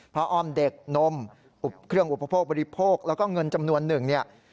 พระอ้อมเด็กนมเครื่องอุปโภคบริโภคแล้วก็เงินจำนวนหนึ่ง